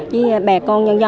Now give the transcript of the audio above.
chứ bà con nhân dân